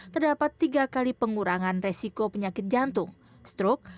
terdapat tiga kali pengurangan resiko penyakit jantung stroke